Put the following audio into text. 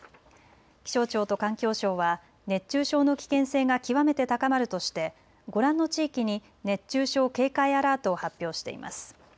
気象庁と環境省は熱中症の危険性が極めて高まるとしてご覧の地域に熱中症警戒アラートを発表しています。